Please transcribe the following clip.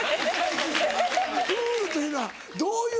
クールというのはどういう？